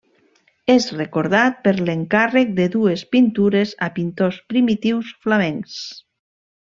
És recordat per l'encàrrec de dues pintures a pintors primitius flamencs.